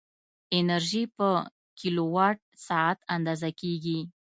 انرژي په کیلووات ساعت اندازه کېږي.